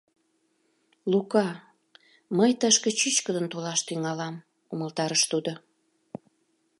— Лука, мый тышке чӱчкыдын толаш тӱҥалам, — умылтарыш тудо